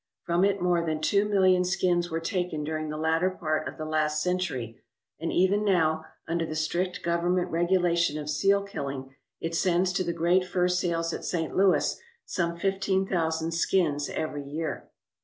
From it more than two million skins were taken during the latter part of the last century, and even now, under the strict government regulation of seal killing, it sends to the great fur sales at St. Louis some fifteen thousand skins every year.